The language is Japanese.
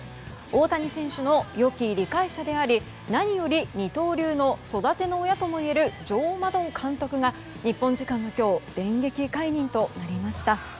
大谷選手のよき理解者であり何より、二刀流の育ての親といえるジョー・マドン監督が日本時間の今日電撃解任となりました。